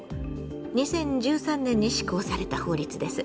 ２０１３年に施行された法律です。